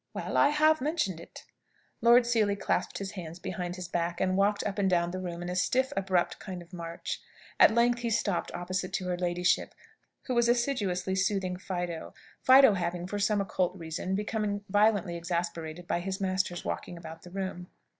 "Well, I have mentioned it." Lord Seely clasped his hands behind his back, and walked up and down the room in a stiff, abrupt kind of march. At length he stopped opposite to her ladyship, who was assiduously soothing Fido; Fido having, for some occult reason, become violently exasperated by his master's walking about the room.